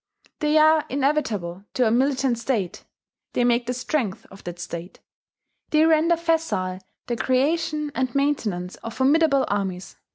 They are inevitable to a militant state; they make the strength of that state; they render facile the creation and maintenance of formidable armies.